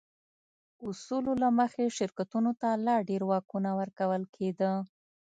اصولو له مخې شرکتونو ته لا ډېر واکونه ورکول کېده.